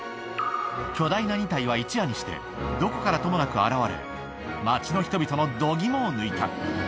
巨大な２体は、一夜にしてどこからともなく現われ、町の人々の度肝を抜いた。